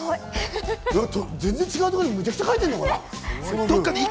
全然違うところにむちゃくちゃかいてるのかな？